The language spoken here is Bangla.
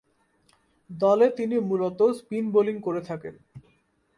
দলে তিনি মূলতঃ স্পিন বোলিং করে থাকেন।